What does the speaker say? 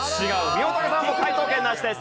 みほとけさんも解答権なしです。